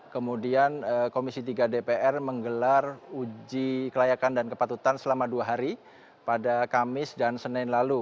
kemudian komisi tiga dpr menggelar uji kelayakan dan kepatutan selama dua hari pada kamis dan senin lalu